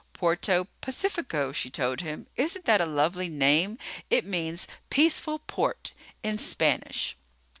"Puerto Pacifico," she told him. "Isn't that a lovely name? It means peaceful port. In Spanish."